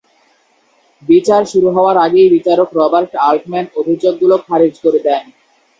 বিচার শুরু হওয়ার আগেই বিচারক রবার্ট আল্টম্যান অভিযোগগুলো খারিজ করে দেন।